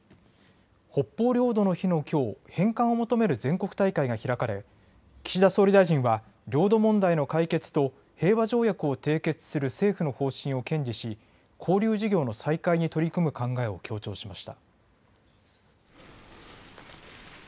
北方領土の日のきょう返還を求める全国大会が開かれ岸田総理大臣は領土問題の解決と平和条約を締結する政府の方針を堅持し交流事業の再開に取り組む考えを強調しました。